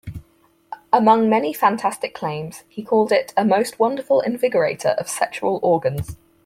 Among many fantastic claims, he called it a most wonderful invigorator of sexual organs.